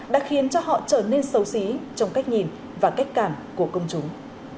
đã khiến cho họ trở nên xấu xí trong cách nhìn và cách cảm của công chúng